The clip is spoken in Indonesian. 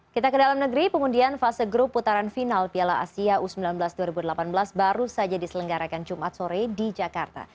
kita ke dalam negeri pengundian fase grup putaran final piala asia u sembilan belas dua ribu delapan belas baru saja diselenggarakan jumat sore di jakarta